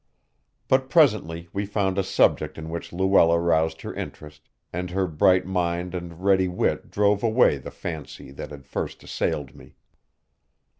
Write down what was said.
But presently we found a subject in which Luella roused her interest, and her bright mind and ready wit drove away the fancy that had first assailed me.